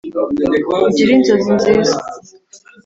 Ugire inzozi nziza